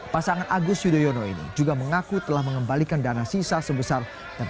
pasangan agus yudhoyono ini juga mengaku telah mengembalikan dana sisa sebesar